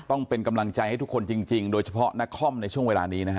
ต้องเป็นกำลังใจให้ทุกคนจริงโดยเฉพาะนักคอมในช่วงเวลานี้นะฮะ